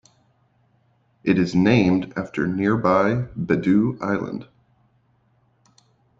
It is named after nearby Bedout Island.